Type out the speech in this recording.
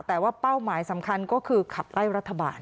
แต่ว่าเป้าหมายสำคัญก็คือขับไล่รัฐบาล